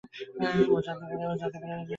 ও জানতে পারে।